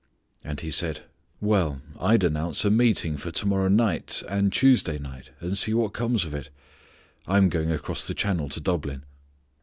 And he said, "Well. I'd announce a meeting for to morrow night, and Tuesday night, and see what comes of it; I'm going across the channel to Dublin."